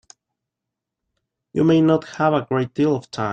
You may not have a great deal of time.